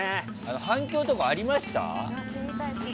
反響とかありました？